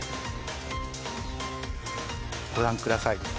ご覧ください。